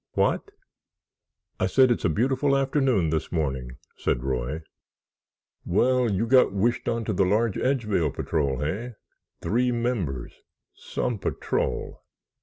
"What?" "I said it's a beautiful afternoon this morning," said Roy. "Well, you got wished onto the large Edgevale Patrol, hey? Three members. Some patrol!"